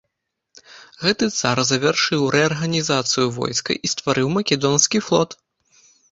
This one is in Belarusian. Гэты цар завяршыў рэарганізацыю войска і стварыў македонскі флот.